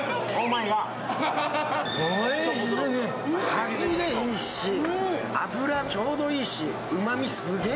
歯切れいいし脂ちょうどいいしうまみ、すげぇ。